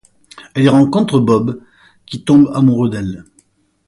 Elle y rencontre Bob, qui tombe amoureux d'elle.